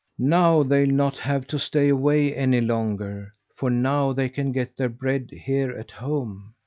Now they'll not have to stay away any longer; for now they can get their bread here at home."